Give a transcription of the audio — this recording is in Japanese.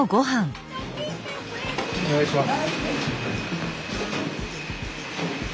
お願いします。